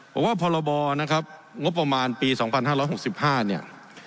บอกว่านะครับงบประมาณปีสองพันห้าร้อยหกสิบห้าเนี่ย